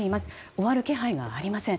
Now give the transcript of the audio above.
終わる気配はありません。